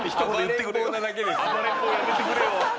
暴れん坊やめてくれよ。